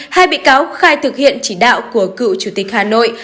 hai bị cáo khai thực hiện chỉ đạo của cựu chủ tịch hà nội